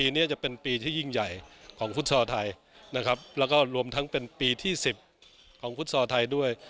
นี้จะเป็นปีที่ยิ่งใหญ่ของฟุตซอลไทยนะครับแล้วก็รวมทั้งเป็นปีที่๑๐ของฟุตซอลไทยด้วย